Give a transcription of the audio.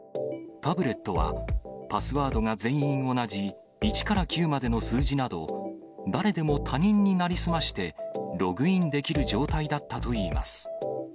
タブレットは、パスワードが全員同じ１から９までの数字など、誰でも他人に成り済まして、ログインできる状態だったといいます。